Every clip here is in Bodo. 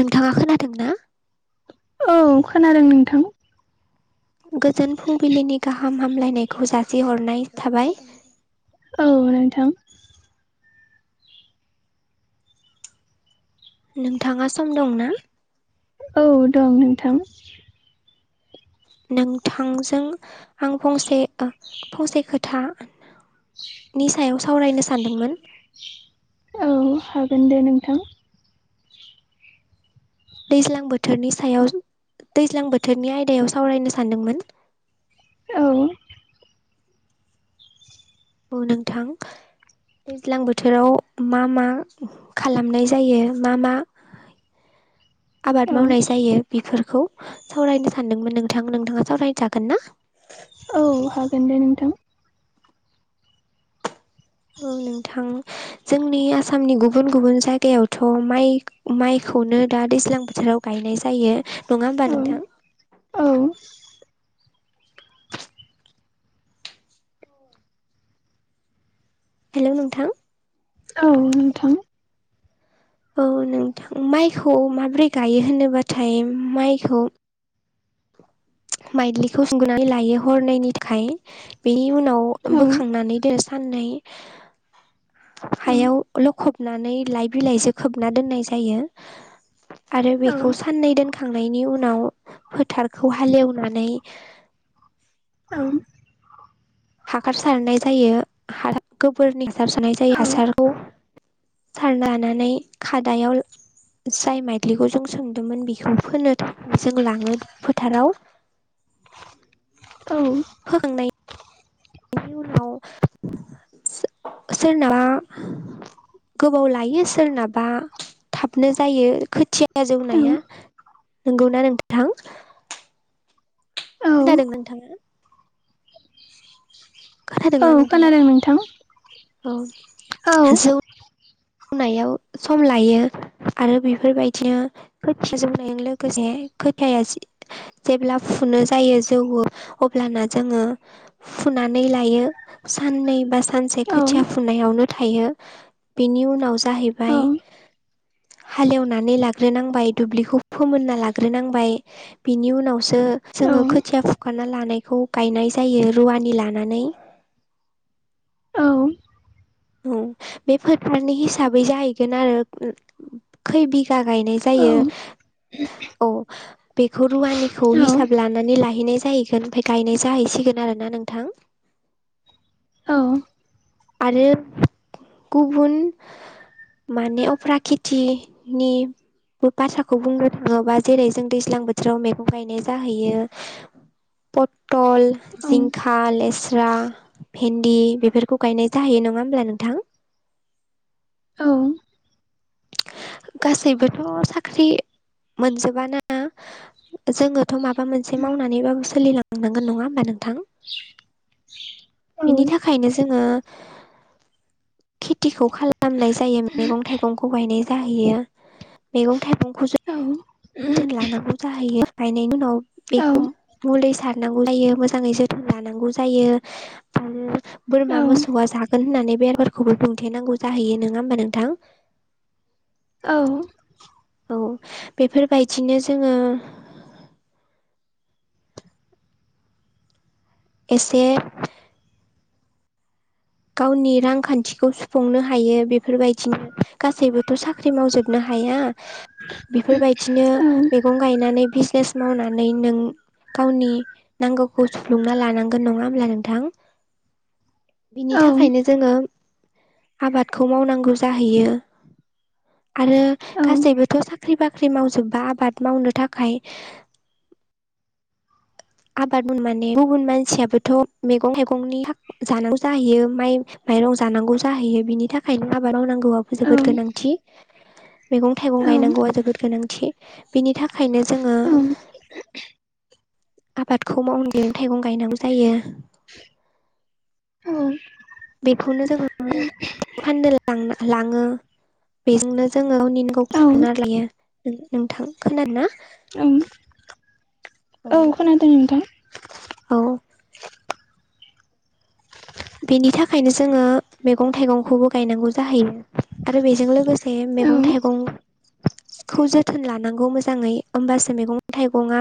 नोंथाङा खोनादोंना? औ खोनादों नोंथां। गोजोन फुंबिलिनि गाहाम हामलायनायखौ जासिहरनाय थाबाय। औ नोंथां। नोंथाङा सम दंना? औ दं नोंथां। नोंथांजों आं फंसे फंसे खोथा नि सायाव सावरायनो सानदोंमोन। औ हागोन दे नोंथां। दैज्लां बोथोरनि सायाव दैज्लां बोथोरनि आयदायाव सावरायनो सानदोंमोन। औ। औ नोंथां। दैज्लां बोथोराव मा मा खालामनाय जायो मा मा औ आबाद मावनाय जायो बेफोरखौ। सावरायनो सानदोंमोन नोंथां नोंथाङा सावराय जागोन ना? औ हागोन दे नोंथां। औ नोंथां। जोंनि आसामनि गुबुन गुबुन जायगायावथ' माइ माइखौनो दा दैज्लां बोथोराव गाय नाय जायो। नङा होमबा औ नोंथां औ। हेल' नोंथां। औ नोंथां। औ नोंथां माइखौ माबोरै गायो होनोबाथाय माइखौ माइदलिखौ सुंगोननानै लायो हरनैनि थाखाय बेनि उनाव औ बोखांनानै दोनो सा साननै औ हायाव लखबनानै लाइ बिलाइजों खोबना दोननाय जायो। आरो औ बेखौ साननै दोनखांनायनि उनाव फोथारखौ हालेव नानै हाखार सारनाय जायो [unintelligible] गोबोरनि सारनाय जायो हासारखौ सारना नानै खादायाव जाय माइदलिखौ जों सोमदोंमोन बेखौ फोनो जों लाङो फोथाराव। [unintelligible] औ फोखांनाय नि उनाव सोरनाबा गोबाव लायो सोरनाबा थाबनो जायो खोथिया औ जौनाया। नंगौना नोंथां? औ खोनादोंना नोंथाङा? औ खोनादोंना नोंथाङा खोनादों नोंथां। औ। औ। मावनायाव सम लायो आरो बेफोरबायदिनो खोथिया जौनायजों लोगोसे खोथाया जेब्ला फुनो जायो जौवो अब्लाना जोङो नानै लायो साननै बा सानसे औ खोथिया फुनायावनो थायो बेनि उनाव नाव जाहैबाय औ हालेवनानै लाग्रोनांबाय दुब्लिखौ फोमोनना लाग्रोनांबाय बिनि उनावसो ओ औ जोङो खोथिया फुखाना लानायखौ गायनाय जायो रुवानि लानानै। [inaudible] औ औ बे फोथारनि हिसाबै जाहैगोन आरो खै बिगा गायनाय जायो यो। औ बेखौ रुवानिखौ हिसाब औ लानानै लाहैनाय जाहैगोन ओमफ्राय गायनाय जाहैसि गोन आरोना नोंथां आरो गुबुन माने अप्राकेथिनि बाथ्राखौ बुंनो थाङोबा जेरै जों दैज्लां बोथोराव मैगं गायनाय जाहैयो। पट टल जिंखा लेस्रा भेन्दि बेफोरखौ गायनाय जाहैयो नङा होनब्ला नोंथां? औ। गासैबोथ' साख्रि मोनजोबाना। जोङोथ' माबा मोनसे मावनानैबाबो सोलिलांनांगोन नङा होमबा नोंथां? बेनि थाखायनो जोङो खेथिखौ खालामनाय जायो मैगं थाइगं गंखौ गायनाय जाहैयो मैगं थाइगंखौ जो जोथोन लानांगौ जाहैयो गायनायनि उनाव बेखौ मुलि सारनांगौ जायो मोजाङै जोथ लानांगौ जायो आरो बोरमा मोसौआ जागोन होननानै बेरबारखौबो दुमथेनांगौ। जाहैयो नङा होनबा‌ नोंथां? औ। औ बेफोरबायदिनो जोङो। एसे। गावनि रांखान्थिखौ सुफुंनो हायो बेफोरबायदिनो गासैबोथ' साख्रि मावजोबनो हा। हाया बेफोरबायदिनो मैगं गायनानै बिजनेस मावनानै नों। गावनि नांगौखौ सुफ्लुंना लानांगोन नङा होमब्ला नोंथां? बिनि थाखायनो जोङो आबादखौ मावनांगौ जाहैयो। आरो गासैबोथ' साख्रि-बाख्रि मावजोबबा आबाद मावनो थाखाय। [inaudible] आबाद माने गुबुन मानसियाबोथ' मैगं-थाइगंनि जानांगौ जाहैयो माइ। माइरं जानांगौ जाहैयो बिनि थाखायनो आबाद मावनांगौआबो औ जोबोद औ गोनांथि। मैगं-थाइगं औ गायनांगौआ जोबोद गोनांथि बिनि थाखायनो जोङो। औ आबादखौ मावनो मैगं-थाइगं गायनांगौ जायो। औ बेखौनो जोङो फाननो लाङो। बेजोंनो जोङो उननिनि गाव औ सुफुंना लायो। नोंथां खोनादोंना? [inaudible] औ औ खोनादों नोंथां। औ बेनि थाखायनो जोङो मैगं-थाइगंखौबो गायनांगौ जाहैयो आरो बेजों लोगोसे। औ मैगं-थाइगं। खौ जोथोन लानांगौ मोजाङै होमबासो मैगं-थाइगंआ।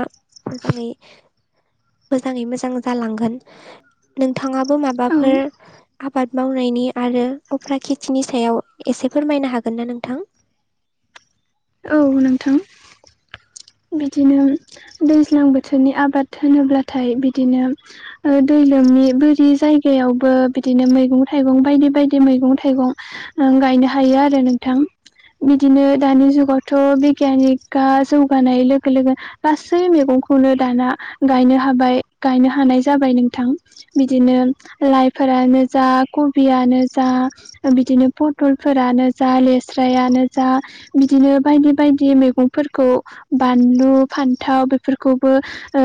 मोजाङै-मोजाङै मोजां जालांगोन नोंथाङाबो माबा। औ फोर। आबाद मावनायनि आरो उफ्रा खेतिनि सायाव एसे फोरमायनो हागोन ना नोंथां? [inaudible] औ नोंथा। बिदिनो दैज्लां बोथोरनि आबाद होनोब्लाथाय बिदिनो दै लोम। बोरि जायगायावबो बिदिनो मैगं-थाइगं बायदि-बायदि मैगं-थाइगं गायनो। हायो आरो नोंथां बिदिनो दानि जुगावथ' बिगियानिकआ जौगानाय लोगो। लोगो गासै मैगंखौनो दाना गायनो हाबाय गायनो हानाय जाबाय नोंथां। बिदिनो लाइफोरानो जा कबियानो जा बिदिनो पटलफोरा। नो जा लेस्रायानो जा बिदिनो बायदि-बायदि मैगं फोरखौ। बानलु, फान्थाव बेफोरखौबो ओ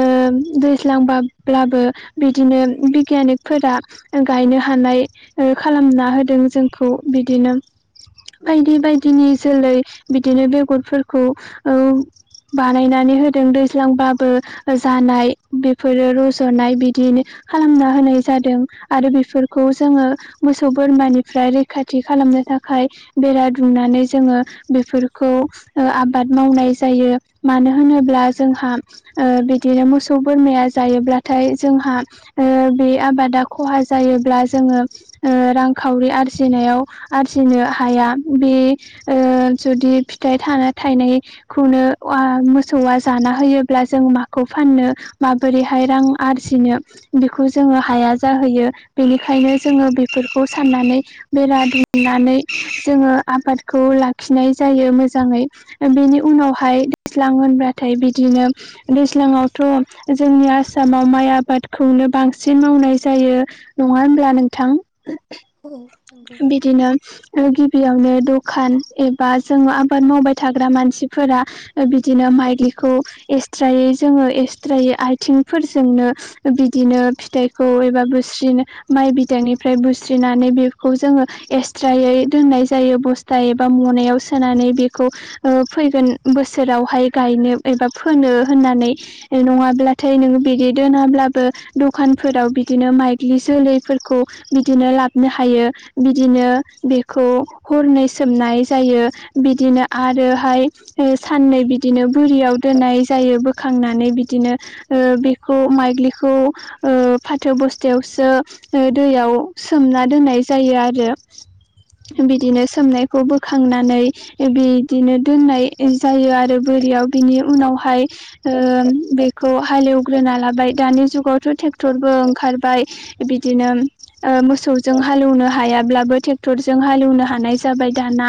दैज्लांब्लाबो बिदिनो। बिगियानिकफोरा गायनो हानाय खालामना होदों जोंखौ बिदिनो। बायदि-बायदिनि जोलै बिदिनो बेगरफोरखौ ओ। बानायनानै होदों दैज्लांबाबो जानाय बेफोरो रज'नाय बिदिनो। खालामना होनाय जादों आरो बेफोरखौ जोङो मोसौ, बोरमानिफ्राय रैखाथि खालामो। नो थाखाय बेरा दुंनानै जोङो बेफोरखौ ओ आबाद मावनाय जायो। मानो होनोब्ला जोंहा ओ बिदिनो मोसौ, बोरमाया जायोब्लाथाय जोंहा। ओ बे आबादा खहा जायोब्ला जोङो रांखावरि आरजिनायाव। हथिनो हाया बे ओ जुदि फिथाइ थाना थायनायखौनो। मोसौआ जाना होयोब्ला जों माखौ फाननो माबोरैहाय रां आरजिनो। बेखौ जोङो हाया जाहोयो बेनिखायनो जोङो बेफोरखौ साननानै बेरा दुं। नानै जोङो आबादखौ लाखिनाय जायो मोजाङै बेनि उनावहाय। दैज्लां होनब्लथाय बिदिनो दैज्लाङावथ' जोंनि आसामाव माइ आबादखौ। नो बांसिन मावनाय जायो नङा होनब्ला नोंथां? औ नंगौ बिदिनो। गिबियावनो दखान एबा जों आबाद मावबाय थाग्रा मानसिफोरा ओ बिदिनो। माइलिखौ एक्सट्रायै जोङो एक्सट्रायै आथिंफोरजोंनो बिदिनो फित। फिथाइखौ एबा बुस्रिनो माइ बिदांनिफ्राय बुस्रिनानै बे। बेखौ जोङो एसट्रायै दोननाय जायो बस्था एबा मनायाव सोनानै बेखौ ओ फो। फैगोन बोसोरावहाय गायनो एबा फोनो होननानै नङाब्लाथाय नोङो बिदि दोनाब्लाबो दखानफोराव बिदिनो माइग्लि जोलैफोरखौ बिदिनो लाबनो हायो। बिदिनो बेखौ हरनै सोमनाय जायो बिदिनो आरोहाय। साननै बिदिनो बुरियाव दोननाय जायो बोखांनानै बिदिनो ओ बेखौ। माइग्लिखौ ओ फाथो बस्तायावसो ओ दैयाव सोमना दोननाय जाय जायो आरो। बिदिनो सोमनायखौ बोखांनानै बिदिनो दोननाय जायो आरो बोर बियाव बिनि उनावहाय ओ बेखौ हालेवग्रोना लाबाय दानि जुगावथ' थेगटर थेगटरबो ओंखारबाय बिदिनो ओ मोसौजों। हालौनो हायाब्लाबो ट्रेक्टरजों हालेवनो हानाय जाबाय दाना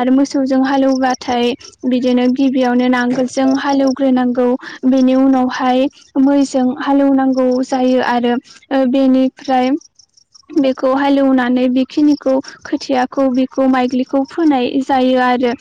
आरो मोसौजों हालौवबा बिदिनो गिबियावनो नांगोलजों हालेवग्रोनांगौ बेनि उनावहाय मैजों हालेव नांगौ जायो आरो ओ बेनिफ्राय बेखौ हालेवनानै बेखिनिखौ खोथियाखौ बेखौ माइग्लिखौ फोनाय जायो आरो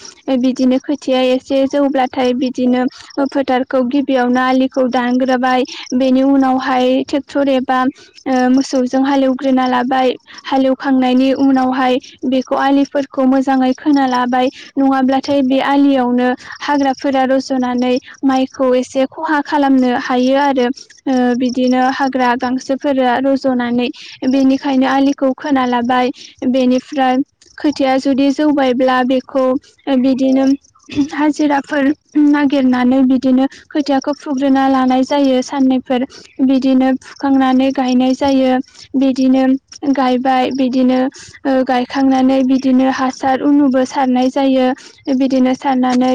बिदिनो खोथिया एसे जौब्लाथाय बिदिनो ओ फोथारखौ गिबियावनो आलिखौ दानग्रोब बाय बेनि उनावहाय ट्रेक्टर एबा ओ मोसौजों हालेवग्रोना लाबाय। हालेवखांनायनि उनावहाय बेखौ आलिफोरखौ मोजाङै खोना लाबाय नङाब्ला नाथाय बे आलियावनो हाग्राफोरा रज'नानै माइखौ एसे खहा खालामनो हायो। हायो आरो ओ बिदिनो हाग्रा गांसोफोरा रज'नानै बेनिखायनो आलि खौ खोना लाबाय बेनिफ्राय खोथिया जुदि जौबायब्ला बेखौ ओ बि बिदिनो हाजिराफोर नागिरनानै बिदिनो खोथियाखौ फुग्रोना लानाय जायो। जायो साननै बिदिनो फुखांनानै गायनाय जायो बिदिनो। गायबाय बिदिनो ओ गायखांनानै बिदिनो हासार उनुबो सारनाय जायो। बिदिनो सारनानै।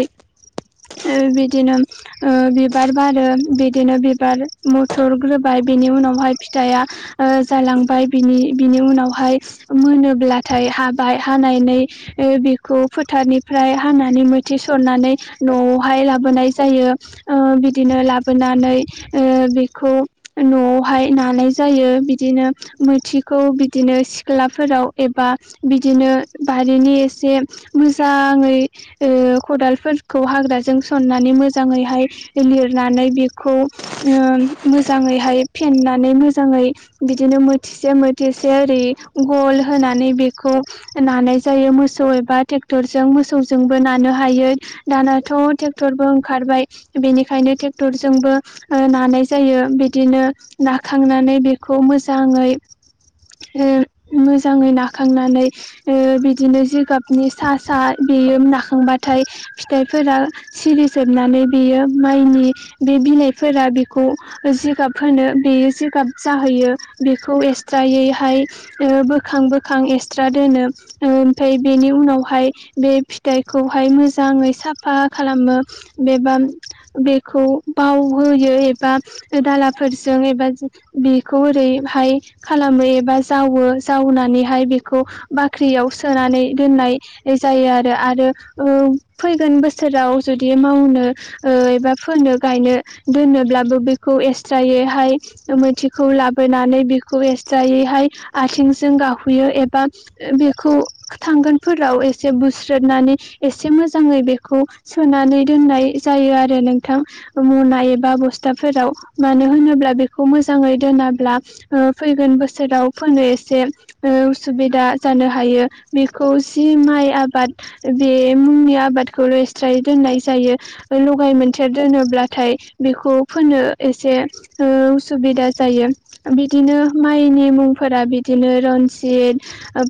ओ बिदिनो ओ बिबार बारो बिदिनो बिबार मथर ग्रोबाय बेनि उनावहाय फिथाइआ ओ जालांबाय बिनि बिनि उनावहाय मोनोब्लाथाय हाबाय हानानै ओ बेखौ फोथारनिफ्रा ओमफ्राय हानानै मोथि सरनानै न'हाय लाबोनाय जायो ओ बिदिनो लाबोना नै ओ बेखौ न'आवहाय नानाय जायो बिदिनो मोथि खौ बिदिनो सिख्लाफोराव एबा बिदिनो बारिनि एसे बुरजा आङै ओ खदालफोरखौ हाग्राजों सननानै मोजाङैहाय लिरनानै बे खौ ओ मोजाङै हाय फेननानै मोजाङै बिदिनो मोथिसे मो थेसे ओरै गल होनानै बेखौ नानाय जायो मोसौ एबा ट्रेक्टर जों। मोसौ जोंबो नानो हायो दानाथ' ट्रेक्टरबो ओंखारबाय बेनिखायनो ट्रेक्टर जों। बो ओ नानाय जायो बिदिनो नाखांनानै बेखौ मोजाङै। हो। मोजाङै नाखांनानै ओ बिदिनो जिगाबनि सा सा बेयो नाखांबाथा फिथाइफोरा सिरिजोबनानै बेयो माइनि बे बिलाइफोरा बेखौ। जिगाब होनो बेयो जिगाब जाहैयो बेखौ एस थ्रायैहाय बोखां बोखां एक्सट्रा दोनो ओ ओमफ्राय बेनि उनावहाय बे फिथाइखौहाय मोजाङै साफा खालामो बेबा बेखौ। बावहोयो एबा दालाफोरजों एबा बेखौ ओरैहाय। खालामो एबा जावो जावनानैहाय बेखौ बाख्रियाव सोनानै दोननाय जायो आरो आरो औ फैगोन बोसोराव जुदि मावनो ओ एबा फोनो गायनो दोनोब्लाबो बेखौ एसत्रायैहाय ओ मोथिखौ लाबोनानै बिख खौ एसट्रायैहाय आथिंजों गाहुयो एबा बेखौ थांगोनफोराव एसे बुस्रोदनानै एसे मोजाङै बेखौ सोनानै दोननाय जायो आरो नोंथां। मुना एबा बस्थाफोराव मानो होनोब्ला बेखौ मोजाङै दोनाब्ला ओ फैगोन बोसोराव फोनो एसे उसुबिदा जानो हायो बेखौ जि माइ आबाद बे मुंनि आबादखौ रेस्राय दोननाय जायो लगाय मोनथेर दोनोब्लाथाय बेखौ फोनो एसे ओ उसुबिदा जायो। बिदिनो माइनि मुंफोरा बिदिनो रन्जित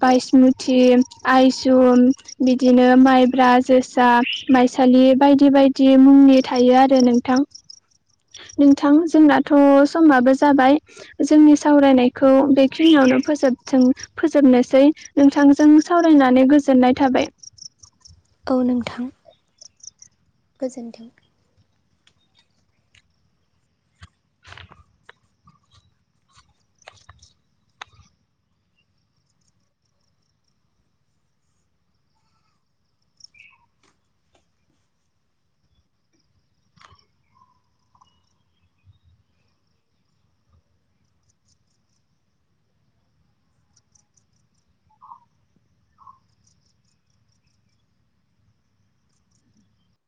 बायसमुति यसुम बिदिनो माइब्रा जोसा माइसालि बायदि बायदि मुंनि थायो आरो नोंथ नोंथ जोंनाथ' समाबो जाबाय जोंनि सावरायनायखौ बेखिनियावनो फोजोबथों फोजोबनोसै नोंथांजों सावराय नानै गोजोननाय थाबाय औ नोंथां गोजोन्थों